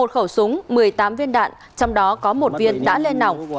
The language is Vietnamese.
một khẩu súng một mươi tám viên đạn trong đó có một viên đã lên nỏng